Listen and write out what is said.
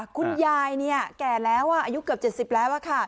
คุณยายแก่แล้วอายุเกือบ๗๐แล้ว